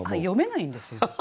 読めないんですよ。